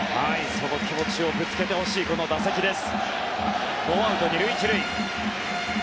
その気持ちをぶつけてほしいこの打席です。